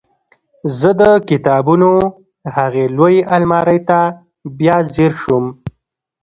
زه د کتابونو هغې لویې المارۍ ته بیا ځیر شوم